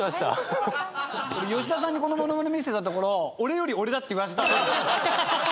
吉田さんにこのモノマネ見せたところ「俺より俺だ」って言われたそうです。